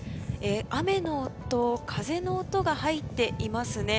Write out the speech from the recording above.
雨の音、風の音が入っていますね。